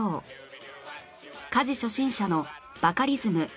家事初心者のバカリズム